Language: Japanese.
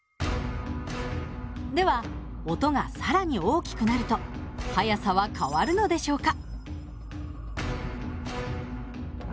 では音が更に大きくなると速さは変わるのでしょうか？